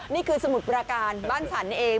อ้อนี่คือสมุทรปราการบ้านสรรเอง